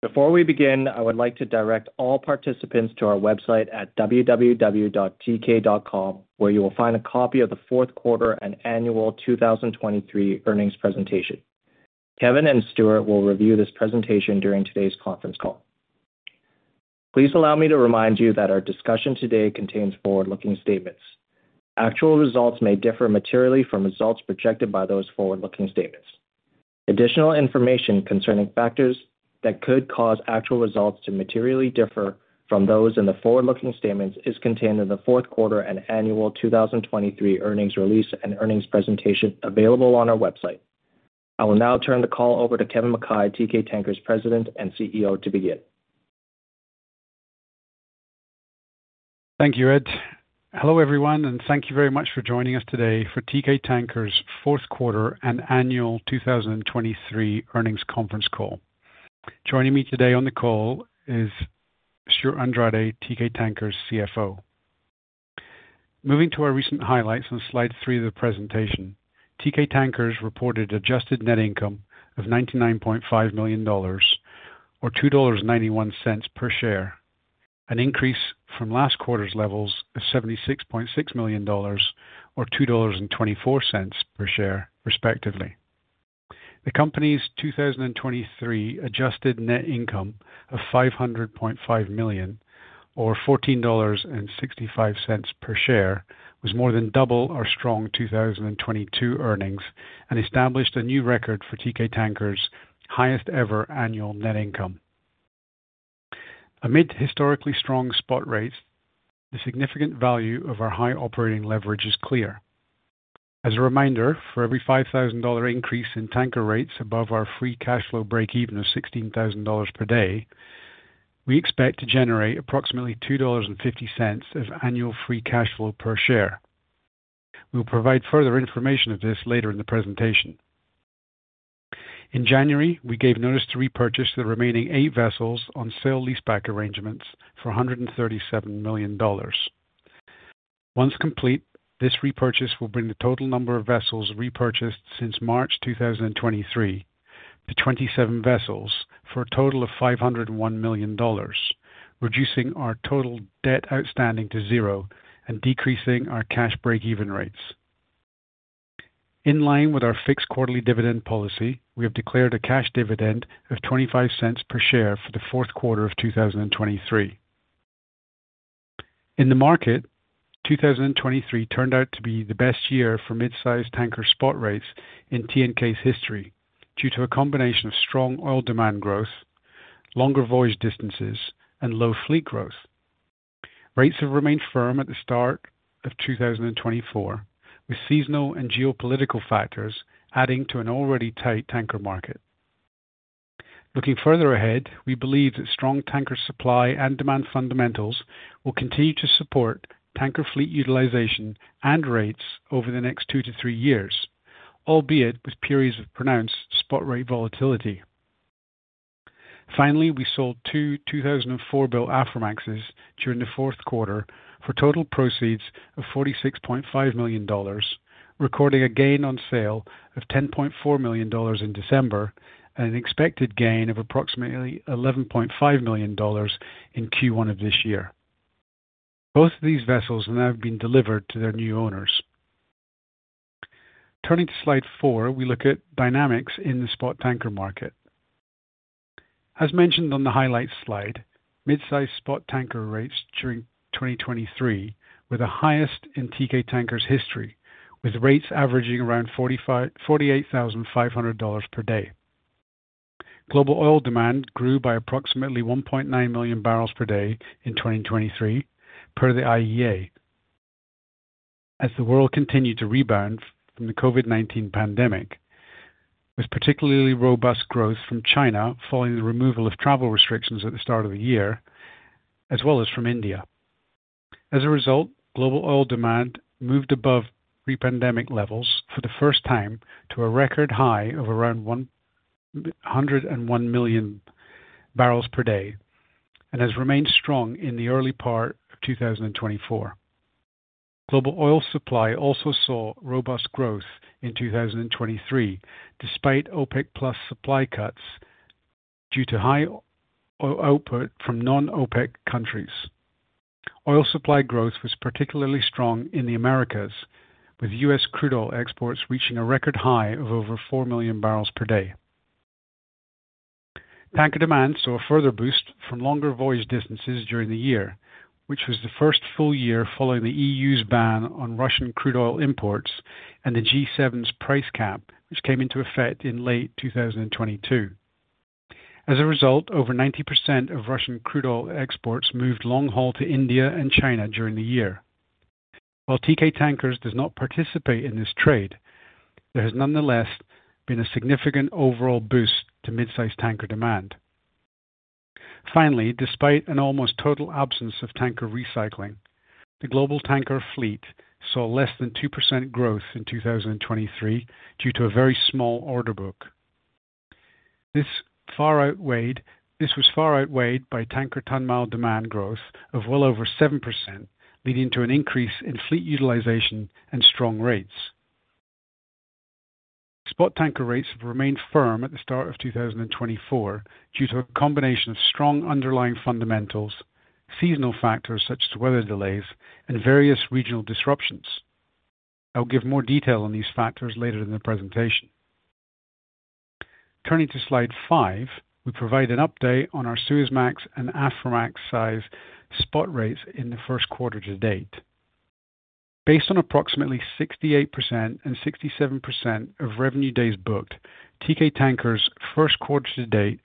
Before we begin, I would like to direct all participants to our website at www.teekay.com, where you will find a copy of the fourth quarter and annual 2023 earnings presentation. Kevin and Stewart will review this presentation during today's conference call. Please allow me to remind you that our discussion today contains forward-looking statements. Actual results may differ materially from results projected by those forward-looking statements. Additional information concerning factors that could cause actual results to materially differ from those in the forward-looking statements is contained in the fourth quarter and annual 2023 earnings release and earnings presentation available on our website. I will now turn the call over to Kevin Mackay, Teekay Tankers President and CEO, to begin. Thank you, Ed. Hello everyone, and thank you very much for joining us today for Teekay Tankers' fourth quarter and annual 2023 earnings conference call. Joining me today on the call is Stewart Andrade, Teekay Tankers CFO. Moving to our recent highlights on slide three of the presentation, Teekay Tankers reported adjusted net income of $99.5 million, or $2.91 per share, an increase from last quarter's levels of $76.6 million or $2.24 per share, respectively. The company's 2023 adjusted net income of $500.5 million, or $14.65 per share, was more than double our strong 2022 earnings and established a new record for Teekay Tankers' highest-ever annual net income. Amid historically strong spot rates, the significant value of our high operating leverage is clear. As a reminder, for every $5,000 increase in tanker rates above our free cash flow break-even of $16,000 per day, we expect to generate approximately $2.50 of annual free cash flow per share. We will provide further information of this later in the presentation. In January, we gave notice to repurchase the remaining eight vessels on sale-leaseback arrangements for $137 million. Once complete, this repurchase will bring the total number of vessels repurchased since March 2023 to 27 vessels, for a total of $501 million, reducing our total debt outstanding to zero and decreasing our cash break-even rates. In line with our fixed quarterly dividend policy, we have declared a cash dividend of $0.25 per share for the fourth quarter of 2023. In the market, 2023 turned out to be the best year for midsize tanker spot rates in Teekay's history due to a combination of strong oil demand growth, longer voyage distances, and low fleet growth. Rates have remained firm at the start of 2024, with seasonal and geopolitical factors adding to an already tight tanker market. Looking further ahead, we believe that strong tanker supply and demand fundamentals will continue to support tanker fleet utilization and rates over the next two to three years, albeit with periods of pronounced spot rate volatility. Finally, we sold two 2004-built Aframaxes during the fourth quarter for total proceeds of $46.5 million, recording a gain on sale of $10.4 million in December and an expected gain of approximately $11.5 million in Q1 of this year. Both of these vessels have now been delivered to their new owners. Turning to slide four, we look at dynamics in the spot tanker market. As mentioned on the highlights slide, midsize spot tanker rates during 2023 were the highest in Teekay Tankers' history, with rates averaging around $48,500 per day. Global oil demand grew by approximately 1.9 million barrels per day in 2023, per the IEA. As the world continued to rebound from the COVID-19 pandemic, with particularly robust growth from China following the removal of travel restrictions at the start of the year, as well as from India. As a result, global oil demand moved above pre-pandemic levels for the first time to a record high of around 101 million barrels per day and has remained strong in the early part of 2024. Global oil supply also saw robust growth in 2023 despite OPEC+ supply cuts due to high output from non-OPEC countries. Oil supply growth was particularly strong in the Americas, with U.S. crude oil exports reaching a record high of over four million barrels per day. Tanker demand saw a further boost from longer voyage distances during the year, which was the first full year following the E.U.'s ban on Russian crude oil imports and the G7's price cap, which came into effect in late 2022. As a result, over 90% of Russian crude oil exports moved long-haul to India and China during the year. While Teekay Tankers does not participate in this trade, there has nonetheless been a significant overall boost to midsize tanker demand. Finally, despite an almost total absence of tanker recycling, the global tanker fleet saw less than 2% growth in 2023 due to a very small order book. This was far outweighed by tanker tonne-mile demand growth of well over 7%, leading to an increase in fleet utilization and strong rates. Spot tanker rates have remained firm at the start of 2024 due to a combination of strong underlying fundamentals, seasonal factors such as weather delays, and various regional disruptions. I will give more detail on these factors later in the presentation. Turning to slide five, we provide an update on our Suezmax and Aframax-size spot rates in the first quarter to date. Based on approximately 68% and 67% of revenue days booked, Teekay Tankers' first quarter to date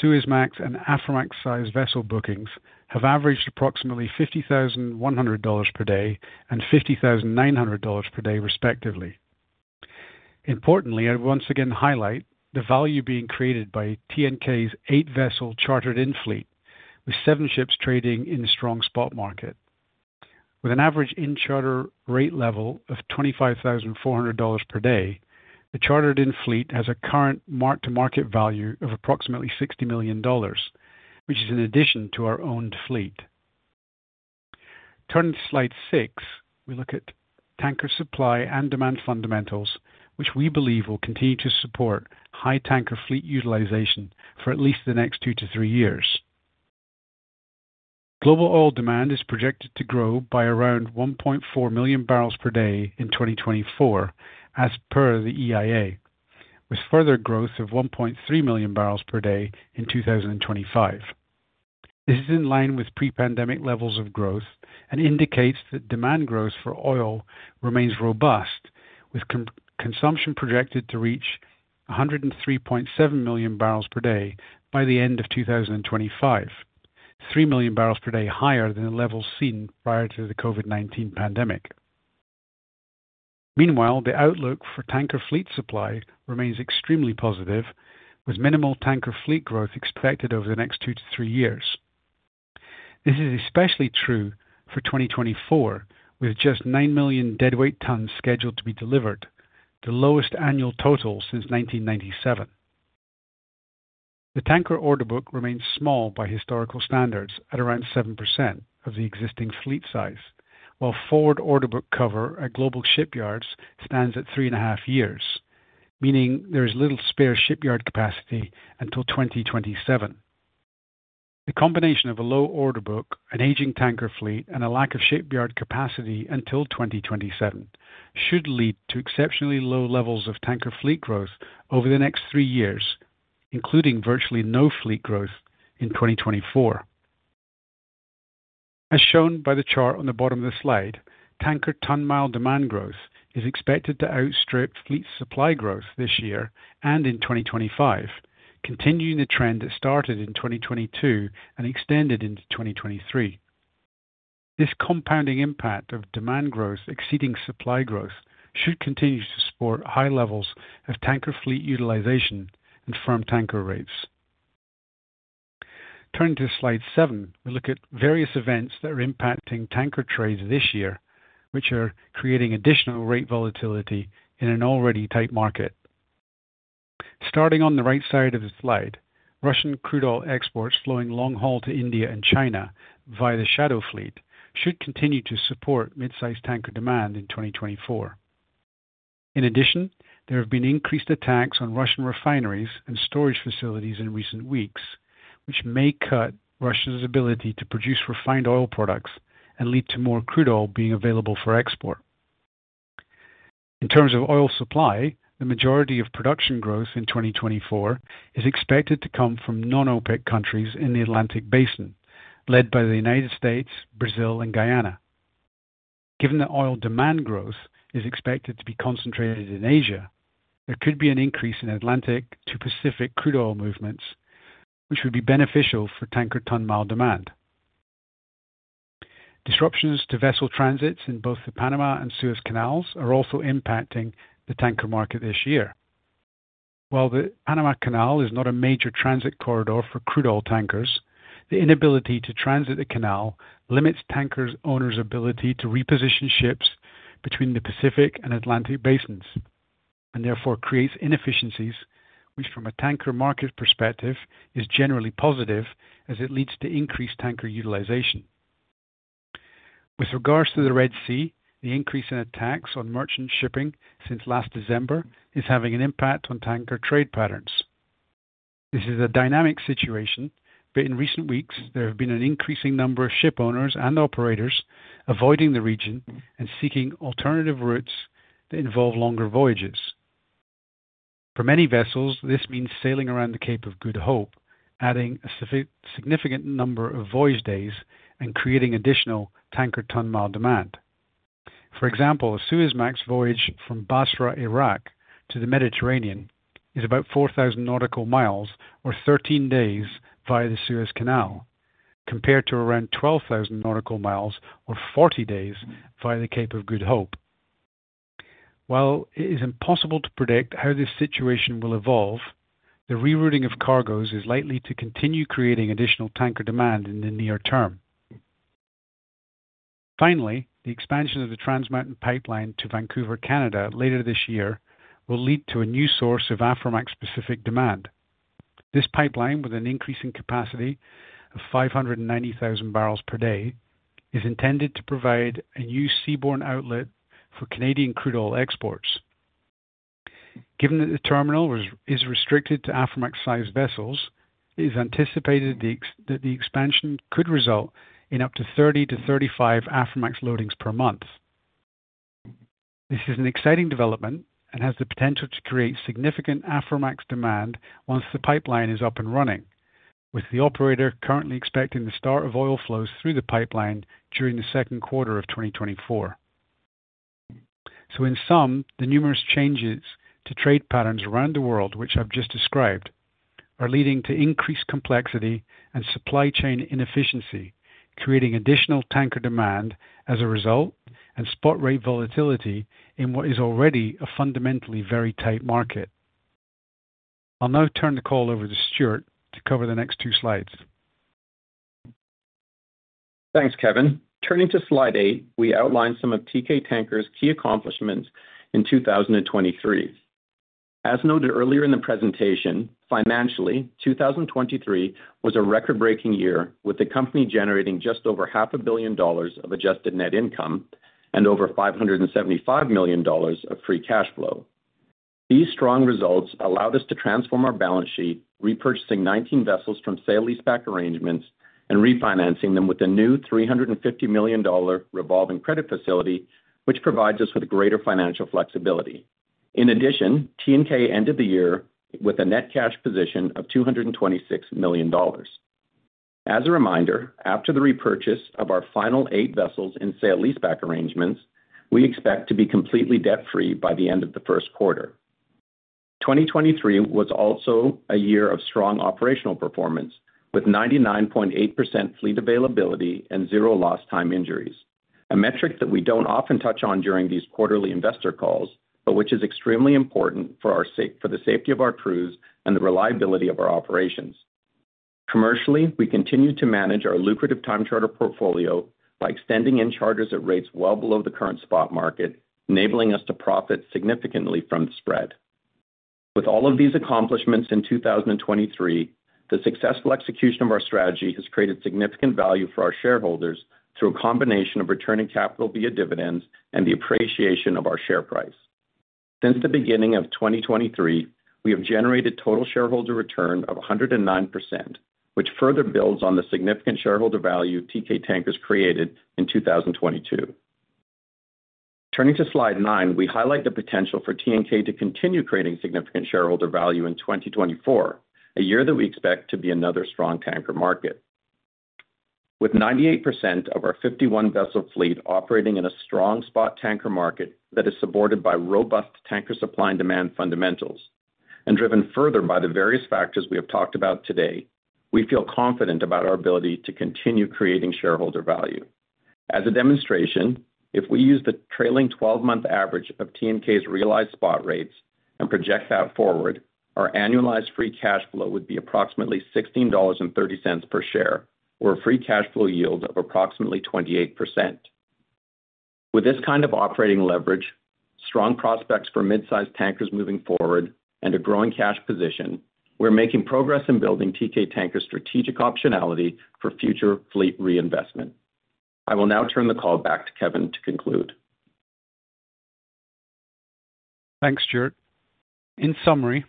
Suezmax and Aframax-size vessel bookings have averaged approximately $50,100 per day and $50,900 per day, respectively. Importantly, I would once again highlight the value being created by Teekay's eight-vessel chartered-in fleet, with seven ships trading in the strong spot market. With an average in-charter rate level of $25,400 per day, the chartered-in fleet has a current mark-to-market value of approximately $60 million, which is in addition to our owned fleet. Turning to slide six, we look at tanker supply and demand fundamentals, which we believe will continue to support high tanker fleet utilization for at least the next two to three years. Global oil demand is projected to grow by around 1.4 million barrels per day in 2024, as per the EIA, with further growth of 1.3 million barrels per day in 2025. This is in line with pre-pandemic levels of growth and indicates that demand growth for oil remains robust, with consumption projected to reach 103.7 million barrels per day by the end of 2025, three million barrels per day higher than the levels seen prior to the COVID-19 pandemic. Meanwhile, the outlook for tanker fleet supply remains extremely positive, with minimal tanker fleet growth expected over the next two to three years. This is especially true for 2024, with just nine million deadweight tons scheduled to be delivered, the lowest annual total since 1997. The tanker order book remains small by historical standards at around 7% of the existing fleet size, while forward order book cover at global shipyards stands at 3.5 years, meaning there is little spare shipyard capacity until 2027. The combination of a low order book, an aging tanker fleet, and a lack of shipyard capacity until 2027 should lead to exceptionally low levels of tanker fleet growth over the next three years, including virtually no fleet growth in 2024. As shown by the chart on the bottom of the slide, tanker tonne-mile demand growth is expected to outstrip fleet supply growth this year and in 2025, continuing the trend that started in 2022 and extended into 2023. This compounding impact of demand growth exceeding supply growth should continue to support high levels of tanker fleet utilization and firm tanker rates. Turning to slide seven, we look at various events that are impacting tanker trades this year, which are creating additional rate volatility in an already tight market. Starting on the right side of the slide, Russian crude oil exports flowing long-haul to India and China via the shadow fleet should continue to support midsize tanker demand in 2024. In addition, there have been increased attacks on Russian refineries and storage facilities in recent weeks, which may cut Russia's ability to produce refined oil products and lead to more crude oil being available for export. In terms of oil supply, the majority of production growth in 2024 is expected to come from non-OPEC countries in the Atlantic Basin, led by the United States, Brazil, and Guyana. Given that oil demand growth is expected to be concentrated in Asia, there could be an increase in Atlantic to Pacific crude oil movements, which would be beneficial for tanker tonne-mile demand. Disruptions to vessel transits in both the Panama and Suez Canals are also impacting the tanker market this year. While the Panama Canal is not a major transit corridor for crude oil tankers, the inability to transit the canal limits tankers' owners' ability to reposition ships between the Pacific and Atlantic Basins and therefore creates inefficiencies, which from a tanker market perspective is generally positive as it leads to increased tanker utilization. With regards to the Red Sea, the increase in attacks on merchant shipping since last December is having an impact on tanker trade patterns. This is a dynamic situation, but in recent weeks there have been an increasing number of shipowners and operators avoiding the region and seeking alternative routes that involve longer voyages. For many vessels, this means sailing around the Cape of Good Hope, adding a significant number of voyage days and creating additional tanker tonne-mile demand. For example, a Suezmax voyage from Basra, Iraq, to the Mediterranean is about 4,000 nautical miles or 13 days via the Suez Canal, compared to around 12,000 nautical miles or 40 days via the Cape of Good Hope. While it is impossible to predict how this situation will evolve, the rerouting of cargoes is likely to continue creating additional tanker demand in the near term. Finally, the expansion of the Trans Mountain Pipeline to Vancouver, Canada, later this year will lead to a new source of Aframax-specific demand. This pipeline, with an increasing capacity of 590,000 barrels per day, is intended to provide a new seaborne outlet for Canadian crude oil exports. Given that the terminal is restricted to Aframax-sized vessels, it is anticipated that the expansion could result in up to 30-35 Aframax loadings per month. This is an exciting development and has the potential to create significant Aframax demand once the pipeline is up and running, with the operator currently expecting the start of oil flows through the pipeline during the second quarter of 2024. So in sum, the numerous changes to trade patterns around the world which I've just described are leading to increased complexity and supply chain inefficiency, creating additional tanker demand as a result and spot rate volatility in what is already a fundamentally very tight market. I'll now turn the call over to Stewart to cover the next two slides. Thanks, Kevin. Turning to slide eight, we outline some of Teekay Tankers' key accomplishments in 2023. As noted earlier in the presentation, financially, 2023 was a record-breaking year, with the company generating just over $500 million of adjusted net income and over $575 million of free cash flow. These strong results allowed us to transform our balance sheet, repurchasing 19 vessels from sale-leaseback arrangements and refinancing them with a new $350 million revolving credit facility, which provides us with greater financial flexibility. In addition, Teekay ended the year with a net cash position of $226 million. As a reminder, after the repurchase of our final eight vessels in sale-leaseback arrangements, we expect to be completely debt-free by the end of the first quarter. 2023 was also a year of strong operational performance, with 99.8% fleet availability and zero lost-time injuries, a metric that we don't often touch on during these quarterly investor calls but which is extremely important for the safety of our crews and the reliability of our operations. Commercially, we continue to manage our lucrative time-charter portfolio by extending in-charters at rates well below the current spot market, enabling us to profit significantly from the spread. With all of these accomplishments in 2023, the successful execution of our strategy has created significant value for our shareholders through a combination of returning capital via dividends and the appreciation of our share price. Since the beginning of 2023, we have generated total shareholder return of 109%, which further builds on the significant shareholder value Teekay Tankers created in 2022. Turning to slide nine, we highlight the potential for Teekay to continue creating significant shareholder value in 2024, a year that we expect to be another strong tanker market. With 98% of our 51-vessel fleet operating in a strong spot tanker market that is supported by robust tanker supply and demand fundamentals and driven further by the various factors we have talked about today, we feel confident about our ability to continue creating shareholder value. As a demonstration, if we use the trailing 12-month average of Teekay's realized spot rates and project that forward, our annualized free cash flow would be approximately $16.30 per share, or a free cash flow yield of approximately 28%. With this kind of operating leverage, strong prospects for midsize tankers moving forward, and a growing cash position, we're making progress in building Teekay Tankers' strategic optionality for future fleet reinvestment. I will now turn the call back to Kevin to conclude. Thanks, Stewart. In summary,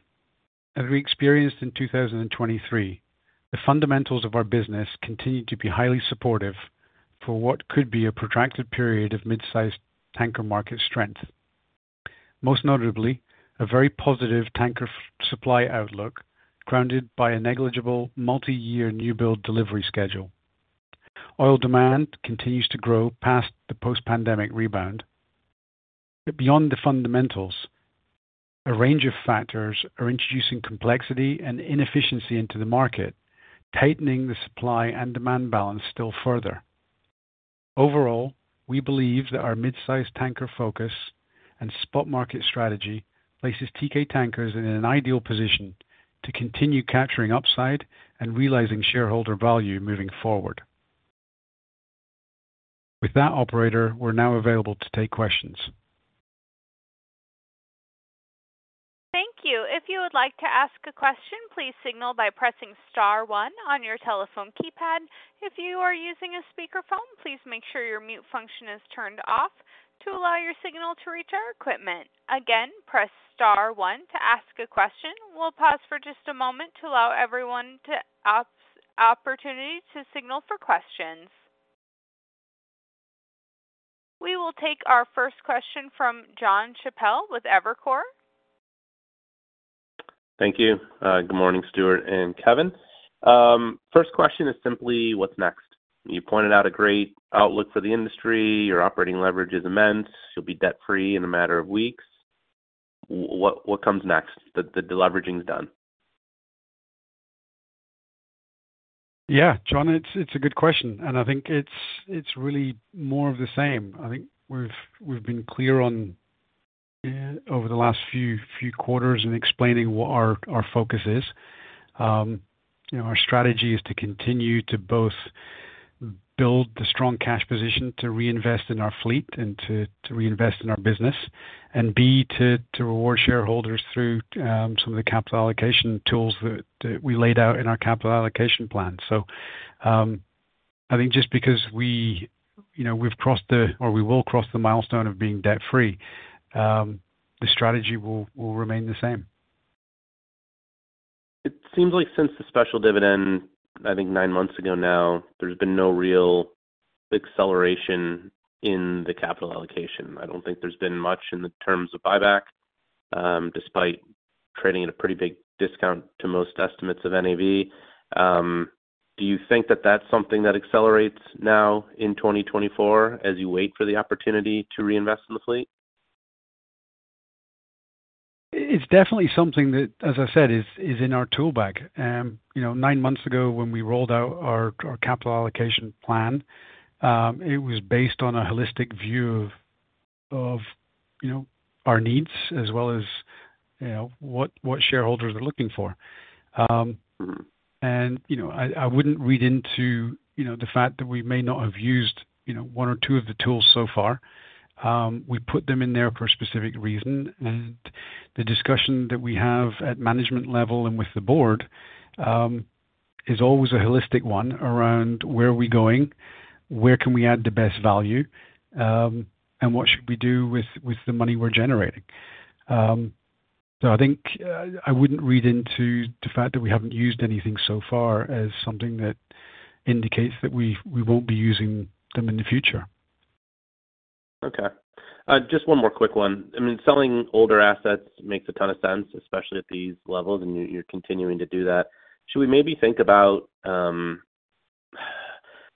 as we experienced in 2023, the fundamentals of our business continue to be highly supportive for what could be a protracted period of midsize tanker market strength, most notably a very positive tanker supply outlook grounded by a negligible multi-year newbuild delivery schedule. Oil demand continues to grow past the post-pandemic rebound. But beyond the fundamentals, a range of factors are introducing complexity and inefficiency into the market, tightening the supply and demand balance still further. Overall, we believe that our midsize tanker focus and spot market strategy places Teekay Tankers in an ideal position to continue capturing upside and realizing shareholder value moving forward. With that, operator, we're now available to take questions. Thank you. If you would like to ask a question, please signal by pressing star one on your telephone keypad. If you are using a speakerphone, please make sure your mute function is turned off to allow your signal to reach our equipment. Again, press star one to ask a question. We'll pause for just a moment to allow everyone the opportunity to signal for questions. We will take our first question from Jonathan Chappell with Evercore. Thank you. Good morning, Stewart and Kevin. First question is simply, what's next? You pointed out a great outlook for the industry. Your operating leverage is immense. You'll be debt-free in a matter of weeks. What comes next? De-leveraging's done. Yeah, John, it's a good question, and I think it's really more of the same. I think we've been clear over the last few quarters in explaining what our focus is. Our strategy is to continue to both build the strong cash position to reinvest in our fleet and to reinvest in our business, and B, to reward shareholders through some of the capital allocation tools that we laid out in our capital allocation plan. So I think just because we've crossed the, or we will cross the milestone of being debt-free, the strategy will remain the same. It seems like since the special dividend, I think nine months ago now, there's been no real acceleration in the capital allocation. I don't think there's been much in terms of buyback, despite trading at a pretty big discount to most estimates of NAV. Do you think that that's something that accelerates now in 2024 as you wait for the opportunity to reinvest in the fleet? It's definitely something that, as I said, is in our tool bag. Nine months ago when we rolled out our capital allocation plan, it was based on a holistic view of our needs as well as what shareholders are looking for. I wouldn't read into the fact that we may not have used one or two of the tools so far. We put them in there for a specific reason. The discussion that we have at management level and with the board is always a holistic one around where are we going, where can we add the best value, and what should we do with the money we're generating. I think I wouldn't read into the fact that we haven't used anything so far as something that indicates that we won't be using them in the future. Okay. Just one more quick one. I mean, selling older assets makes a ton of sense, especially at these levels, and you're continuing to do that. Should we maybe think about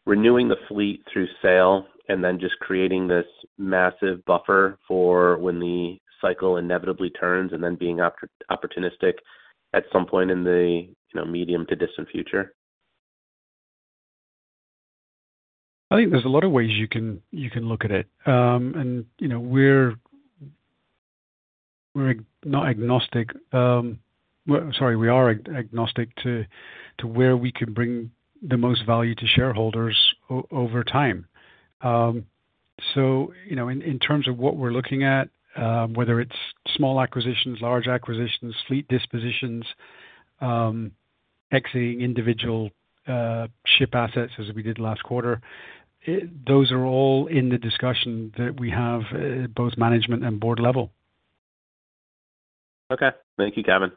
renewing the fleet through sale and then just creating this massive buffer for when the cycle inevitably turns and then being opportunistic at some point in the medium to distant future? I think there's a lot of ways you can look at it. And we're not agnostic. Sorry, we are agnostic to where we can bring the most value to shareholders over time. So in terms of what we're looking at, whether it's small acquisitions, large acquisitions, fleet dispositions, exiting individual ship assets as we did last quarter, those are all in the discussion that we have, both management and board level. Okay. Thank you, Kevin.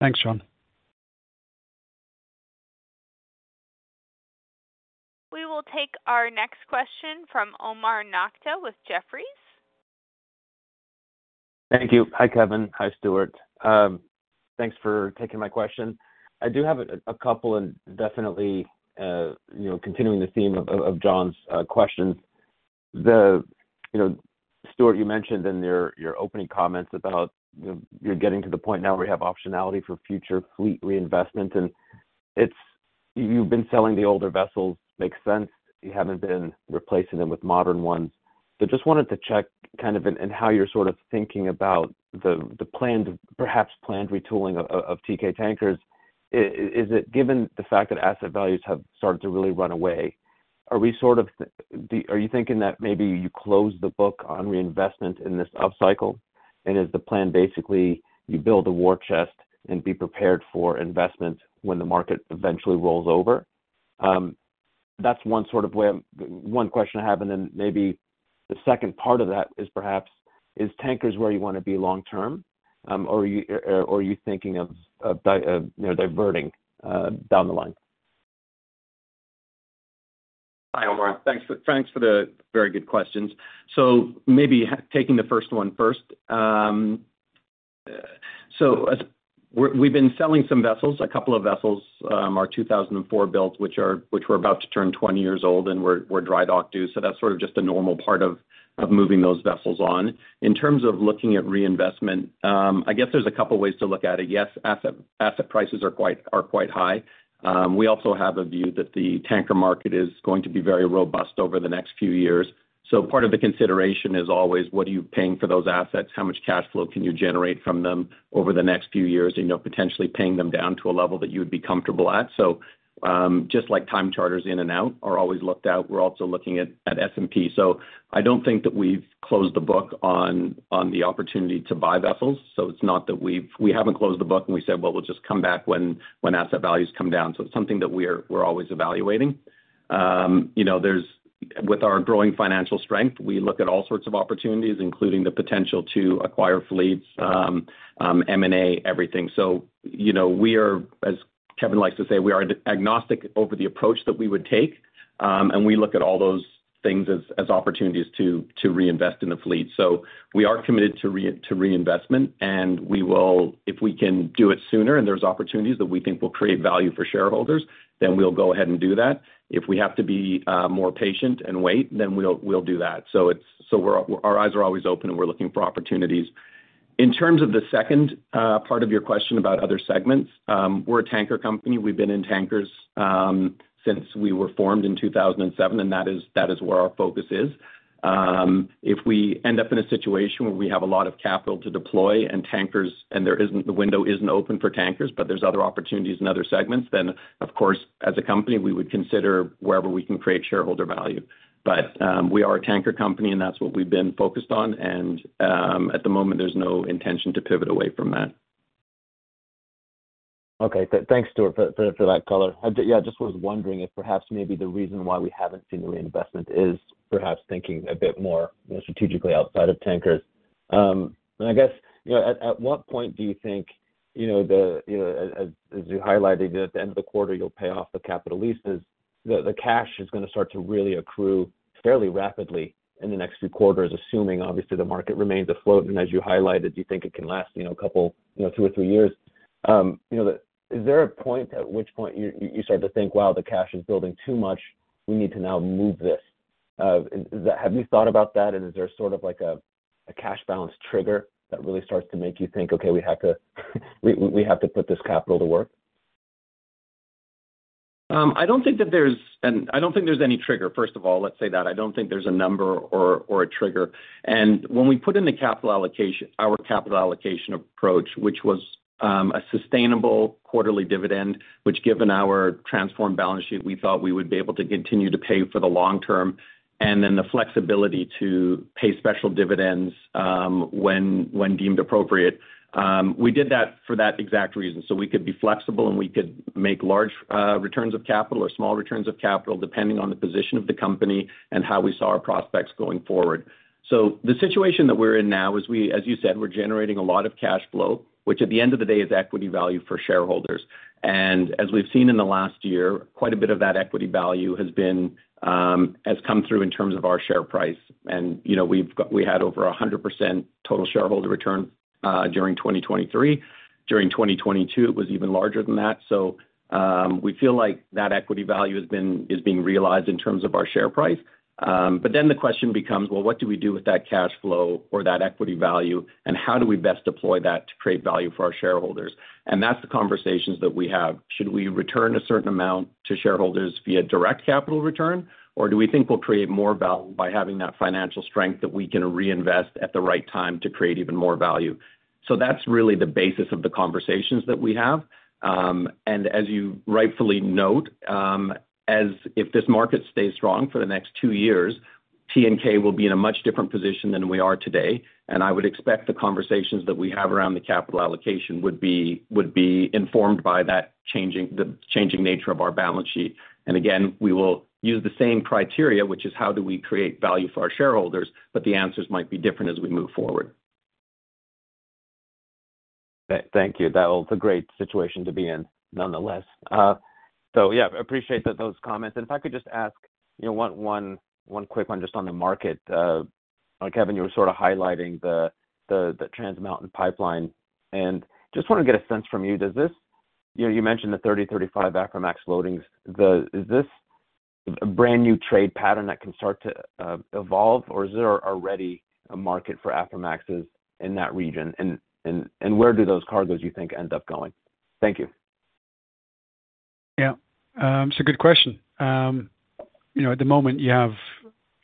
Thanks, John. We will take our next question from Omar Nokta with Jefferies. Thank you. Hi, Kevin. Hi, Stewart. Thanks for taking my question. I do have a couple, and definitely continuing the theme of John's questions. Stewart, you mentioned in your opening comments about you're getting to the point now where you have optionality for future fleet reinvestment. And you've been selling the older vessels. Makes sense. You haven't been replacing them with modern ones. So just wanted to check kind of in how you're sort of thinking about the planned, perhaps planned retooling of Teekay Tankers. Is it given the fact that asset values have started to really run away, are we sort of are you thinking that maybe you close the book on reinvestment in this upcycle? And is the plan basically you build a war chest and be prepared for investment when the market eventually rolls over? That's one sort of way, one question I have. And then maybe the second part of that is perhaps, is Tankers where you want to be long-term, or are you thinking of diverting down the line? Hi, Omar. Thanks for the very good questions. So maybe taking the first one first. So we've been selling some vessels, a couple of vessels, our 2004 builds, which were about to turn 20 years old and were dry dock due. So that's sort of just a normal part of moving those vessels on. In terms of looking at reinvestment, I guess there's a couple of ways to look at it. Yes, asset prices are quite high. We also have a view that the tanker market is going to be very robust over the next few years. So part of the consideration is always, what are you paying for those assets? How much cash flow can you generate from them over the next few years and potentially paying them down to a level that you would be comfortable at? So just like time charters in and out are always looked at, we're also looking at S&P. So I don't think that we've closed the book on the opportunity to buy vessels. So it's not that we haven't closed the book and we said, "Well, we'll just come back when asset values come down." So it's something that we're always evaluating. With our growing financial strength, we look at all sorts of opportunities, including the potential to acquire fleets, M&A, everything. So we are, as Kevin likes to say, we are agnostic over the approach that we would take. And we look at all those things as opportunities to reinvest in the fleet. So we are committed to reinvestment. And if we can do it sooner and there's opportunities that we think will create value for shareholders, then we'll go ahead and do that. If we have to be more patient and wait, then we'll do that. So our eyes are always open and we're looking for opportunities. In terms of the second part of your question about other segments, we're a tanker company. We've been in tankers since we were formed in 2007, and that is where our focus is. If we end up in a situation where we have a lot of capital to deploy and there isn't the window isn't open for tankers, but there's other opportunities in other segments, then, of course, as a company, we would consider wherever we can create shareholder value. But we are a tanker company, and that's what we've been focused on. At the moment, there's no intention to pivot away from that. Okay. Thanks, Stewart, for that color. Yeah, I just was wondering if perhaps maybe the reason why we haven't seen the reinvestment is perhaps thinking a bit more strategically outside of tankers. And I guess at what point do you think that, as you highlighted, at the end of the quarter, you'll pay off the capital leases, the cash is going to start to really accrue fairly rapidly in the next few quarters, assuming, obviously, the market remains afloat. And as you highlighted, you think it can last a couple, two or three years. Is there a point at which point you start to think, "Wow, the cash is building too much. We need to now move this"? Have you thought about that? Is there sort of a cash balance trigger that really starts to make you think, "Okay, we have to put this capital to work"? I don't think there's any trigger, first of all. Let's say that. I don't think there's a number or a trigger. When we put in the capital allocation, our capital allocation approach, which was a sustainable quarterly dividend, which given our transformed balance sheet, we thought we would be able to continue to pay for the long term and then the flexibility to pay special dividends when deemed appropriate, we did that for that exact reason. So we could be flexible and we could make large returns of capital or small returns of capital depending on the position of the company and how we saw our prospects going forward. So the situation that we're in now is we, as you said, we're generating a lot of cash flow, which at the end of the day is equity value for shareholders. And as we've seen in the last year, quite a bit of that equity value has come through in terms of our share price. And we had over 100% total shareholder return during 2023. During 2022, it was even larger than that. So we feel like that equity value is being realized in terms of our share price. But then the question becomes, well, what do we do with that cash flow or that equity value, and how do we best deploy that to create value for our shareholders? And that's the conversations that we have. Should we return a certain amount to shareholders via direct capital return, or do we think we'll create more value by having that financial strength that we can reinvest at the right time to create even more value? So that's really the basis of the conversations that we have. And as you rightfully note, if this market stays strong for the next two years, Teekay will be in a much different position than we are today. And I would expect the conversations that we have around the capital allocation would be informed by the changing nature of our balance sheet. And again, we will use the same criteria, which is how do we create value for our shareholders, but the answers might be different as we move forward. Thank you. That was a great situation to be in, nonetheless. So yeah, appreciate those comments. If I could just ask one quick one just on the market. Kevin, you were sort of highlighting the Trans Mountain Pipeline. And just want to get a sense from you, does this you mentioned the 30-35 Aframax loadings. Is this a brand new trade pattern that can start to evolve, or is there already a market for Aframaxes in that region? And where do those cargoes, you think, end up going? Thank you. Yeah. It's a good question. At the moment, you have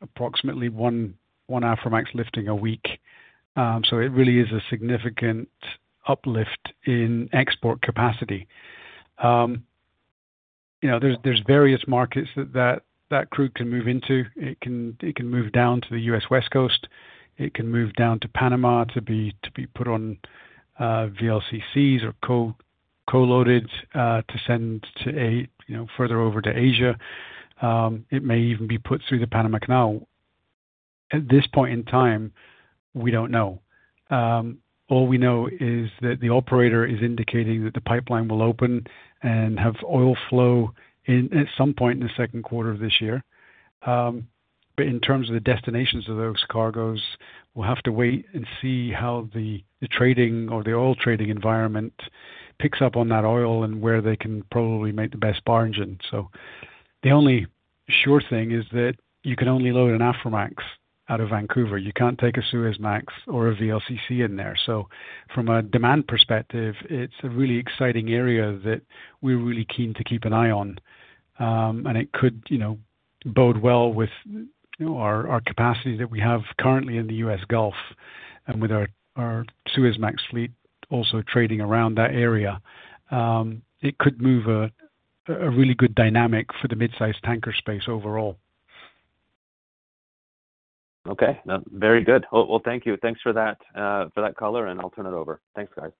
approximately one Aframax lifting a week. So it really is a significant uplift in export capacity. There's various markets that that crude can move into. It can move down to the U.S. West Coast. It can move down to Panama to be put on VLCCs or co-loaded to send further over to Asia. It may even be put through the Panama Canal. At this point in time, we don't know. All we know is that the operator is indicating that the pipeline will open and have oil flow at some point in the second quarter of this year. But in terms of the destinations of those cargoes, we'll have to wait and see how the trading or the oil trading environment picks up on that oil and where they can probably make the best margin. So the only sure thing is that you can only load an Aframax out of Vancouver. You can't take a Suezmax or a VLCC in there. So from a demand perspective, it's a really exciting area that we're really keen to keep an eye on. And it could bode well with our capacity that we have currently in the U.S. Gulf and with our Suezmax fleet also trading around that area. It could move a really good dynamic for the midsize tanker space overall. Okay. Very good. Well, thank you. Thanks for that color, and I'll turn it over. Thanks, guys.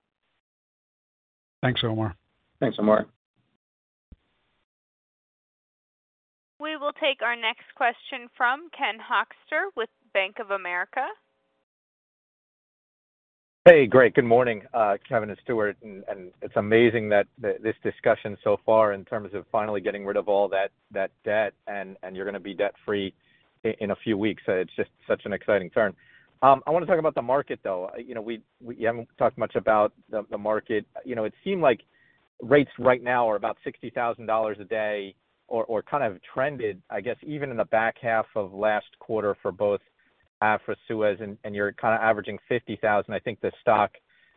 Thanks, Omar. Thanks, Omar. We will take our next question from Ken Hoexter with Bank of America. Hey, great. Good morning, Kevin and Stewart. And it's amazing that this discussion so far in terms of finally getting rid of all that debt and you're going to be debt-free in a few weeks. It's just such an exciting turn. I want to talk about the market, though. We haven't talked much about the market. It seemed like rates right now are about $60,000 a day or kind of trended, I guess, even in the back half of last quarter for both Aframax, Suezmax, and you're kind of averaging $50,000. I think the stock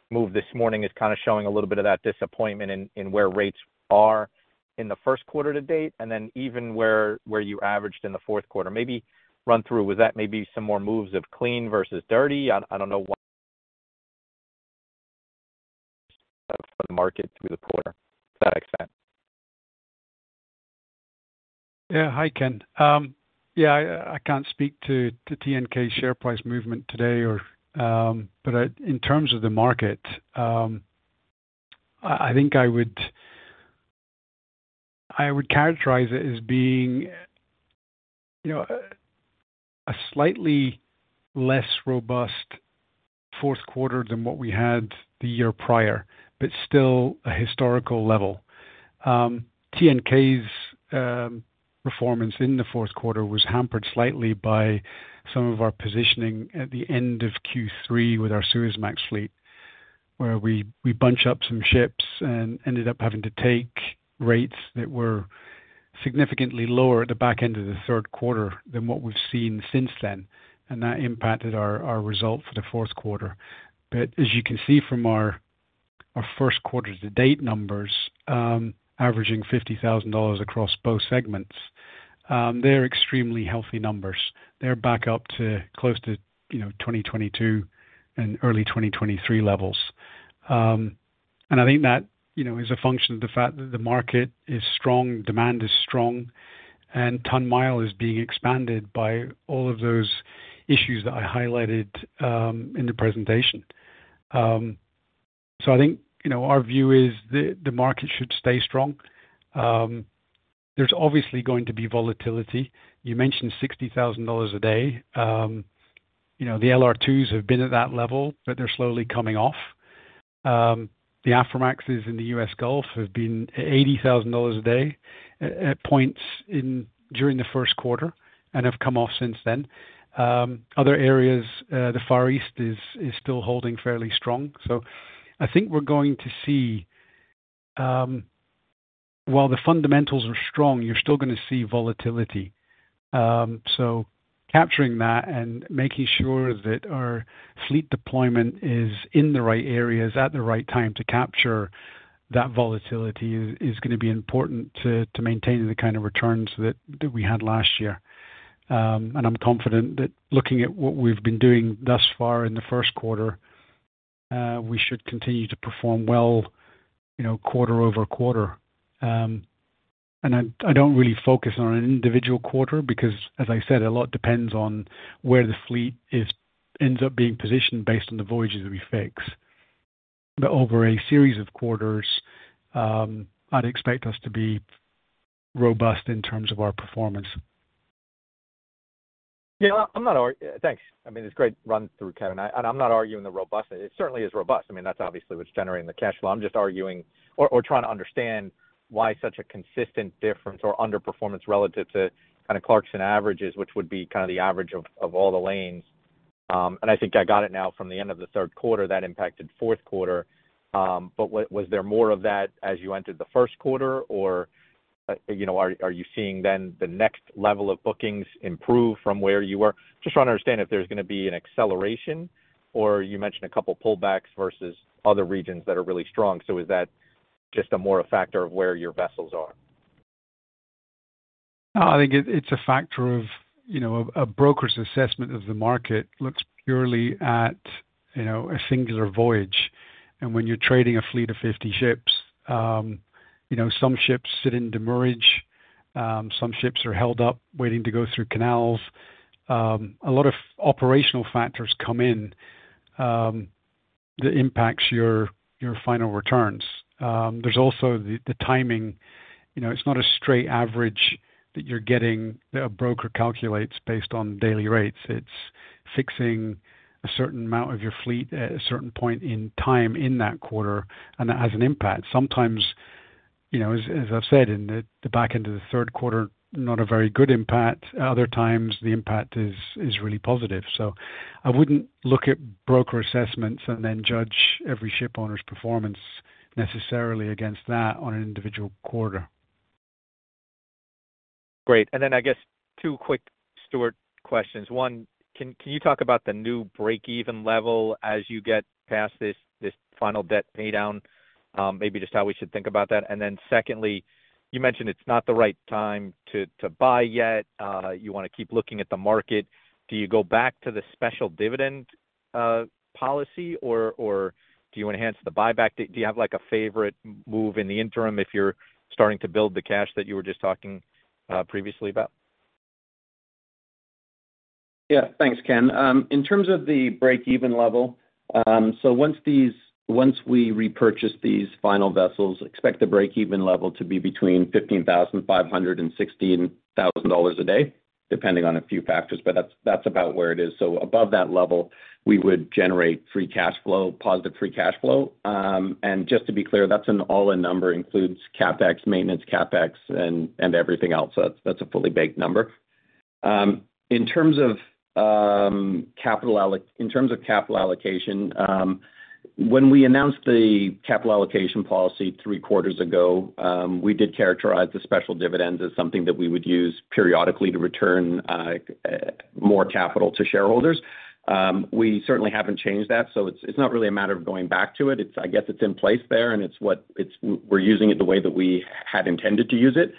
move this morning is kind of showing a little bit of that disappointment in where rates are in the first quarter to date and then even where you averaged in the fourth quarter. Maybe run through, was that maybe some more moves of clean versus dirty? I don't know what the market threw through the quarter, to that extent. Yeah. Hi, Ken. Yeah, I can't speak to Teekay's share price movement today, but in terms of the market, I think I would characterize it as being a slightly less robust fourth quarter than what we had the year prior, but still a historical level. Teekay's performance in the fourth quarter was hampered slightly by some of our positioning at the end of Q3 with our Suezmax fleet, where we bunched up some ships and ended up having to take rates that were significantly lower at the back end of the third quarter than what we've seen since then. That impacted our result for the fourth quarter. As you can see from our first quarter to date numbers, averaging $50,000 across both segments, they're extremely healthy numbers. They're back up to close to 2022 and early 2023 levels. I think that is a function of the fact that the market is strong, demand is strong, and tonne-mile is being expanded by all of those issues that I highlighted in the presentation. I think our view is the market should stay strong. There's obviously going to be volatility. You mentioned $60,000 a day. The LR2s have been at that level, but they're slowly coming off. The Aframaxes in the U.S. Gulf have been at $80,000 a day at points during the first quarter and have come off since then. Other areas, the Far East is still holding fairly strong. So I think we're going to see, while the fundamentals are strong, you're still going to see volatility. So capturing that and making sure that our fleet deployment is in the right areas at the right time to capture that volatility is going to be important to maintaining the kind of returns that we had last year. And I'm confident that looking at what we've been doing thus far in the first quarter, we should continue to perform well quarter-over-quarter. I don't really focus on an individual quarter because, as I said, a lot depends on where the fleet ends up being positioned based on the voyages that we fix. But over a series of quarters, I'd expect us to be robust in terms of our performance. Yeah. Thanks. I mean, it's a great run through, Kevin. I'm not arguing the robustness. It certainly is robust. I mean, that's obviously what's generating the cash flow. I'm just arguing or trying to understand why such a consistent difference or underperformance relative to kind of Clarksons averages, which would be kind of the average of all the lanes. I think I got it now from the end of the third quarter. That impacted fourth quarter. But was there more of that as you entered the first quarter, or are you seeing then the next level of bookings improve from where you were? Just trying to understand if there's going to be an acceleration, or you mentioned a couple of pullbacks versus other regions that are really strong. So is that just more a factor of where your vessels are? I think it's a factor of a broker's assessment of the market looks purely at a singular voyage. And when you're trading a fleet of 50 ships, some ships sit in demurrage. Some ships are held up waiting to go through canals. A lot of operational factors come in that impacts your final returns. There's also the timing. It's not a straight average that you're getting that a broker calculates based on daily rates. It's fixing a certain amount of your fleet at a certain point in time in that quarter and that has an impact. Sometimes, as I've said, in the back end of the third quarter, not a very good impact. Other times, the impact is really positive. So I wouldn't look at broker assessments and then judge every ship owner's performance necessarily against that on an individual quarter. Great. And then I guess two quick Stewart questions. One, can you talk about the new break-even level as you get past this final debt paydown, maybe just how we should think about that? And then secondly, you mentioned it's not the right time to buy yet. You want to keep looking at the market. Do you go back to the special dividend policy, or do you enhance the buyback date? Do you have a favorite move in the interim if you're starting to build the cash that you were just talking previously about? Yeah. Thanks, Ken. In terms of the break-even level, so once we repurchase these final vessels, expect the break-even level to be between $15,500 and $16,000 a day, depending on a few factors. But that's about where it is. So above that level, we would generate free cash flow, positive free cash flow. And just to be clear, that's an all-in number, includes CapEx, maintenance CapEx, and everything else. So that's a fully baked number. In terms of capital allocation, when we announced the capital allocation policy three quarters ago, we did characterize the special dividends as something that we would use periodically to return more capital to shareholders. We certainly haven't changed that. So it's not really a matter of going back to it. I guess it's in place there, and we're using it the way that we had intended to use it.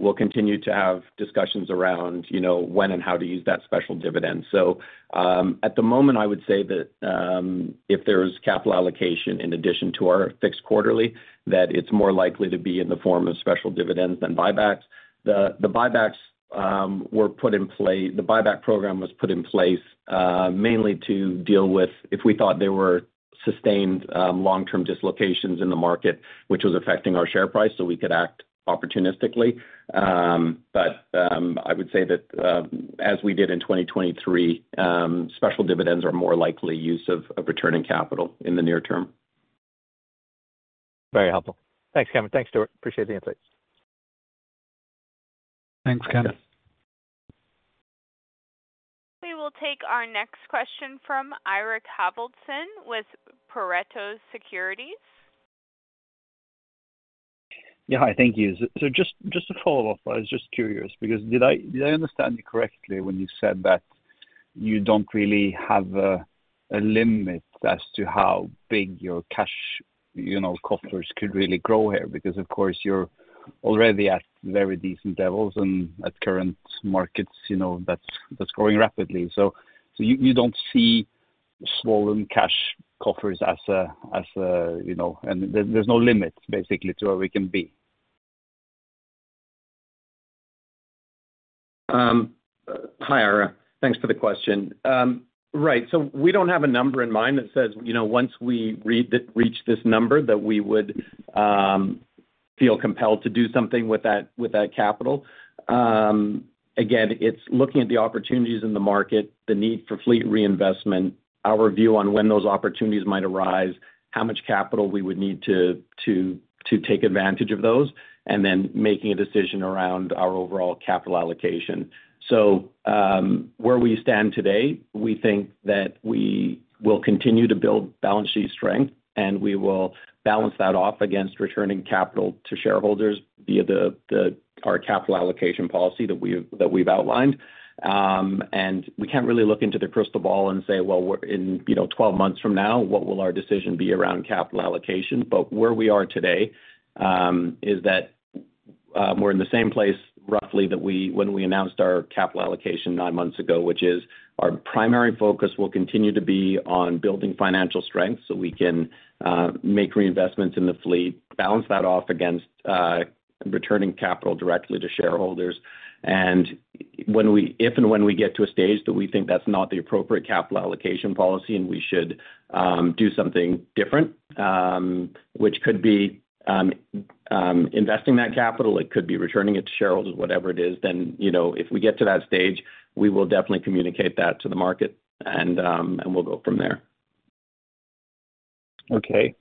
We'll continue to have discussions around when and how to use that special dividend. At the moment, I would say that if there's capital allocation in addition to our fixed quarterly, that it's more likely to be in the form of special dividends than buybacks. The buybacks were put in place the buyback program was put in place mainly to deal with if we thought there were sustained long-term dislocations in the market, which was affecting our share price, so we could act opportunistically. I would say that as we did in 2023, special dividends are more likely use of returning capital in the near term. Very helpful. Thanks, Kevin. Thanks, Stewart. Appreciate the insights. Thanks, Ken. We will take our next question from Eirik Haavaldsen with Pareto Securities. Yeah. Hi. Thank you. So just a follow-up. I was just curious because did I understand you correctly when you said that you don't really have a limit as to how big your cash coffers could really grow here? Because, of course, you're already at very decent levels, and at current markets, that's growing rapidly. So you don't see swollen cash coffers as a and there's no limit, basically, to where we can be? Hi, Eirik. Thanks for the question. Right. So we don't have a number in mind that says once we reach this number that we would feel compelled to do something with that capital. Again, it's looking at the opportunities in the market, the need for fleet reinvestment, our view on when those opportunities might arise, how much capital we would need to take advantage of those, and then making a decision around our overall capital allocation. So where we stand today, we think that we will continue to build balance sheet strength, and we will balance that off against returning capital to shareholders via our capital allocation policy that we've outlined. And we can't really look into the crystal ball and say, "Well, in 12 months from now, what will our decision be around capital allocation?" But where we are today is that we're in the same place, roughly, that when we announced our capital allocation nine months ago, which is our primary focus will continue to be on building financial strength so we can make reinvestments in the fleet, balance that off against returning capital directly to shareholders. If and when we get to a stage that we think that's not the appropriate capital allocation policy and we should do something different, which could be investing that capital, it could be returning it to shareholders, whatever it is, then if we get to that stage, we will definitely communicate that to the market, and we'll go from there. Okay.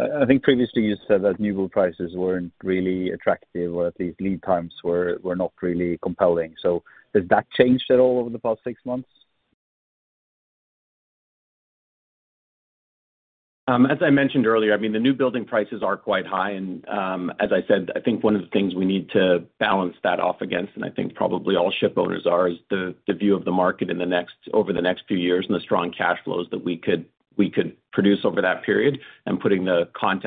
I think previously, you said that newbuild prices weren't really attractive, or at least lead times were not really compelling. Has that changed at all over the past six months? As I mentioned earlier, I mean, the newbuild prices are quite high. And as I said, I think one of the things we need to balance that off against, and I think probably all shipowners are, is the view of the market over the next few years and the strong cash flows that we could produce over that period and putting the cost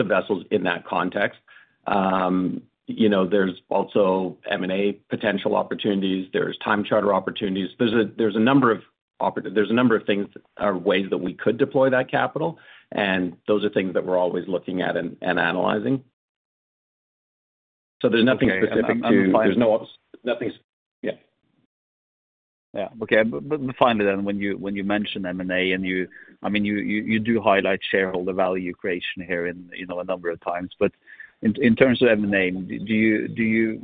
of vessels in that context. There's also M&A potential opportunities. There's time charter opportunities. There's a number of things or ways that we could deploy that capital. And those are things that we're always looking at and analyzing. So there's nothing specific. Yeah. Yeah. Okay. But finally, then, when you mention M&A and you I mean, you do highlight shareholder value creation here a number of times. But in terms of M&A, do you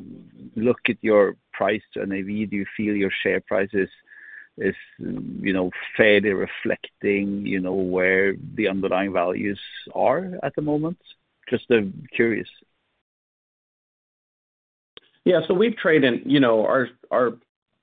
look at your price to a NAV? Do you feel your share price is fairly reflecting where the underlying values are at the moment? Just curious. Yeah. So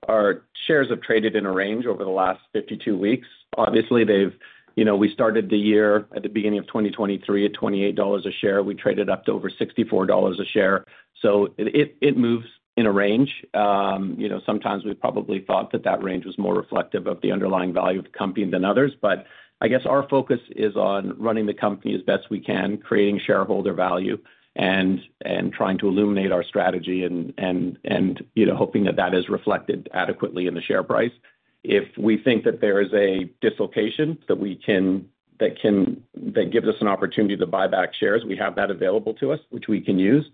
our shares have traded in a range over the last 52 weeks. Obviously, we started the year at the beginning of 2023 at $28 a share. We traded up to over $64 a share. So it moves in a range. Sometimes, we probably thought that that range was more reflective of the underlying value of the company than others. But I guess our focus is on running the company as best we can, creating shareholder value, and trying to illuminate our strategy and hoping that that is reflected adequately in the share price. If we think that there is a dislocation that gives us an opportunity to buy back shares, we have that available to us, which we can use.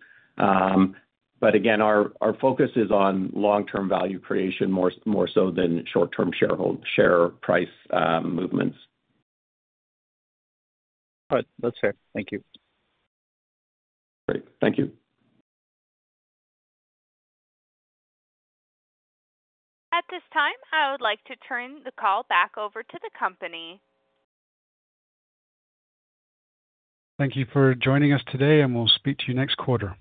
But again, our focus is on long-term value creation more so than short-term share price movements. All right. That's fair. Thank you. Great. Thank you. At this time, I would like to turn the call back over to the company. Thank you for joining us today, and we'll speak to you next quarter.